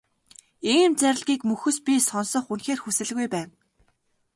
Ийм зарлигийг мөхөс би сонсох үнэхээр хүсэлгүй байна.